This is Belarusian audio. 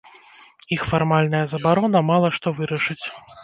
Іх фармальная забарона мала што вырашыць.